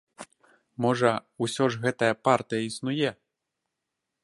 Можа, усё ж гэтая партыя існуе?